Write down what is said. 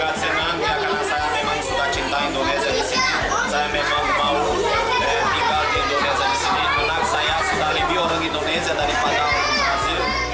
karena saya sudah lebih orang indonesia daripada orang brazil